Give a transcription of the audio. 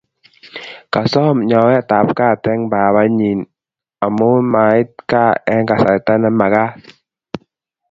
kasom nyowet ab kat eng' baba nenyin amun mait gaa eng kasarta nemagat